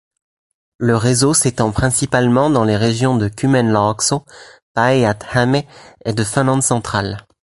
Le réseau s'étend principalement dans les régions de Kymenlaakso, Päijät-Häme et de Finlande centrale.